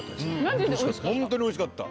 ホントにおいしかった。